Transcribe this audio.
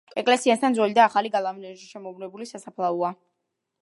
ეკლესიასთან ძველი და ახალი გალავანშემოვლებული სასაფლაოა.